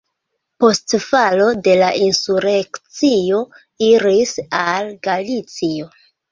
Post falo de la insurekcio iris al Galicio.